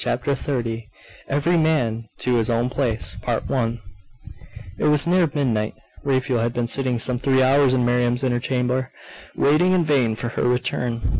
CHAPTER XXX: EVERY MAN TO HIS OWN PLACE It was near midnight. Raphael had been sitting some three hours in Miriam's inner chamber, waiting in vain for her return.